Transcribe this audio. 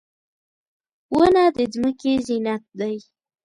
• ونه د ځمکې زینت دی.